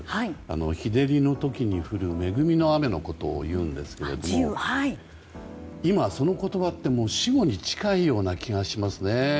日照りの時に降る、恵みの雨のことを言うんですけど今、その言葉って死語に近いような気がしますね。